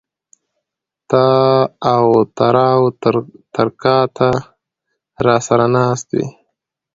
تااو تراو تر کا ته را سر ه ناست وې